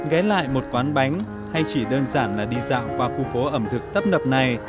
ghé lại một quán bánh hay chỉ đơn giản là đi dạo qua khu phố ẩm thực tấp nập này